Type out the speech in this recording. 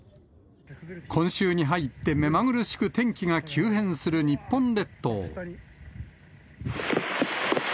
今週に入って目まぐるしく天気が急変する日本列島。